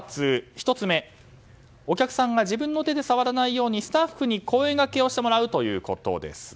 １つ目、お客さんが自分の手で触らないようにスタッフに声がけをしてもらうということです。